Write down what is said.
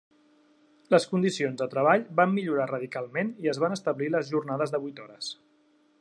Les condicions de treball van millorar radicalment i es van establir les jornades de vuit hores.